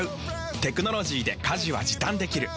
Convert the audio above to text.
テクノロジーで家事は時短できる。